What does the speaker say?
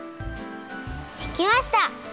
できました！